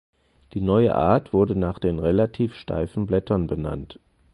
Die neue Art wurde nach den relativ steifen Blättern benannt.